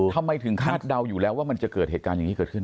ทำไมถึงคาดเดาอยู่แล้วว่ามันจะเกิดเหตุการณ์อย่างนี้เกิดขึ้น